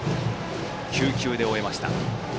９球で終えました。